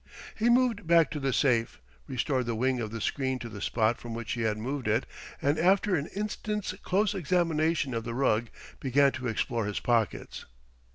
He moved back to the safe, restored the wing of the screen to the spot from which he had moved it, and after an instant's close examination of the rug, began to explore his pockets.